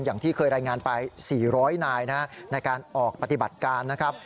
อย่างที่เคยรายงานไป๔๐๐นายในการออกปฏิบัติการนะครับ